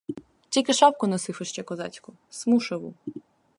Тільки шапку носив іще козацьку, смушеву.